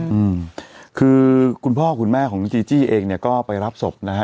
อืมคือคุณพ่อคุณแม่ของน้องจีจี้เองเนี้ยก็ไปรับศพนะฮะ